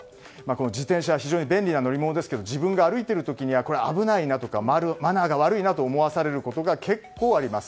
自転車、非常に便利な乗り物ですが自分が歩いている時には危ないなとかマナーが悪いなと思わされることが結構あります。